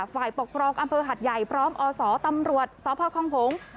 ฝ่ายปกครองอำเภอหัดใหญ่พร้อมอศตำรวจสพคหงษ์